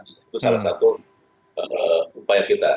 itu salah satu upaya kita